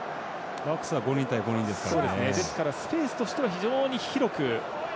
バックスは５人対５人ですから。